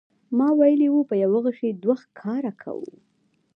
ما ویلي و په یوه غیشي دوه ښکاره کوو.